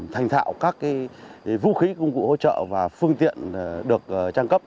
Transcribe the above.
thành thạo các vũ khí công cụ hỗ trợ và phương tiện được trang cấp